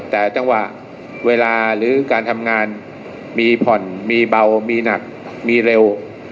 แต่จังหวะเวลาหรือการทำงานมีผ่อนมีเบามีหนักมีเร็ว